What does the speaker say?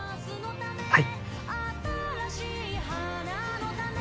はい！